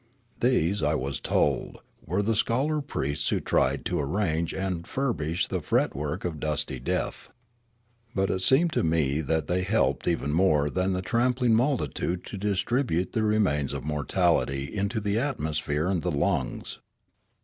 These, I was told, were the scholar priests who tried to arrange and furbish the fretwork of dusty death. But it seemed to me that they helped even more than the trampling multitude to distribute the remains of mortality into the atmosphere and the lungs.